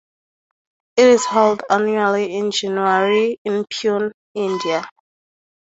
It is held annually in January in Pune, India.